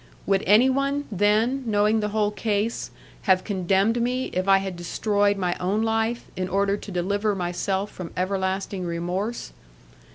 Would anyone, then, knowing the whole case, have condemned me if I had destroyed my own life in order to deliver myself from everlasting remorse?